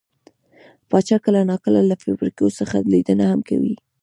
پاچا کله نا کله له فابريکو څخه ليدنه هم کوي .